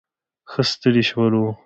ښه ستړي شولو.